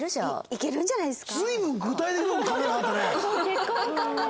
行けるんじゃないですか？